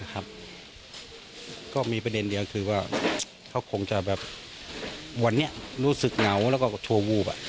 ก็มีประเด็นเดียวคือว่าเขาคงจะแบบวันนี้รู้สึกเหงาแล้วก็ชัววูบ